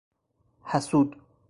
حسود